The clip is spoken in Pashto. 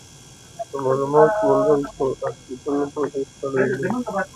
د مالوماتو موندل په ارشیفونو پورې تړلي وو.